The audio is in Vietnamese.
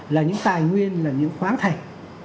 là những tài nguyên là những khoáng thành